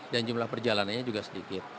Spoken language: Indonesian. dan jumlah perjalanannya juga sedikit